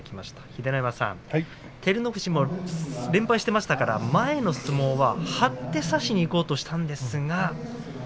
秀ノ山さん、照ノ富士も連敗していましたから前の相撲は張って差しにいこうとしたんですが。